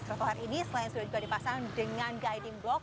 trotoar ini selain sudah juga dipasang dengan guiding block